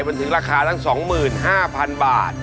มันถึงราคาตั้ง๒๕๐๐๐บาท